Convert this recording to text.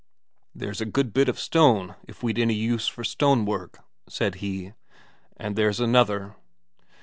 "There's a good bit of stone if we'd any use for stonework," said he. "And there's another."